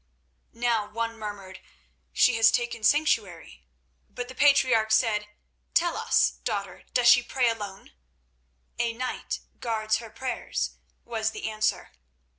Now one murmured, "She has taken sanctuary," but the patriarch said: "Tell us, daughter, does she pray alone?" "A knight guards her prayers," was the answer.